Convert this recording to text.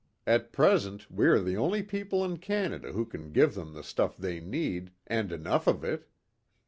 At present we are the only people in Canada who can give them the stuff they need, and enough of it.